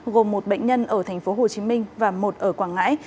gồm một bệnh nhân ở tp hcm và một ở quảng ngãi